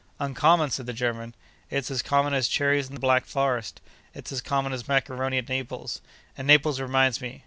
'Uncommon!' said the German. 'It's as common as cherries in the Black Forest. It's as common as maccaroni at Naples. And Naples reminds me!